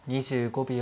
２５秒。